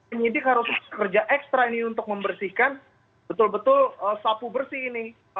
penyidik harus bekerja ekstra ini untuk membersihkan betul betul sapu bersih ini